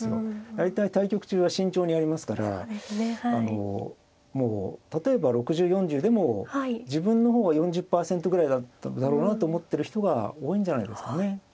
大体対局中は慎重にやりますからもう例えば６０４０でも自分の方が４０％ぐらいだろうなと思ってる人が多いんじゃないですかね。